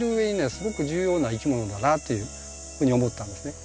すごく重要ないきものだなっていうふうに思ったんですね。